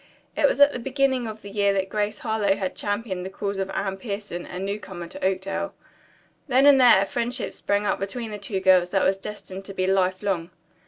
It was at the beginning of that year that Grace Harlowe had championed the cause of Anne Pierson, a newcomer in Oakdale. Then and there a friendship sprang up between the two girls that was destined to be life long.